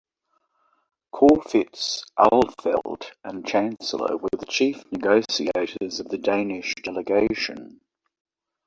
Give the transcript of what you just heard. Corfitz Ulfeldt and Chancellor were the chief negotiators of the Danish delegation.